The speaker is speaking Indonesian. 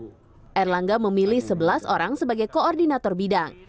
air langga memilih sebelas orang sebagai koordinator bidang